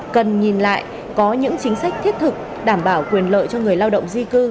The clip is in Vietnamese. cần nhìn lại có những chính sách thiết thực đảm bảo quyền lợi cho người lao động di cư